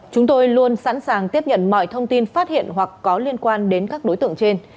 chúng tôi luôn sẵn sàng tiếp nhận mọi thông tin phát hiện hoặc có liên quan đến các đối tượng trên